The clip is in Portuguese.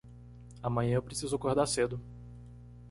Amanhã eu preciso acordar cedo.